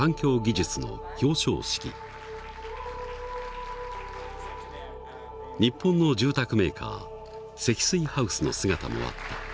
日本の住宅メーカー積水ハウスの姿もあった。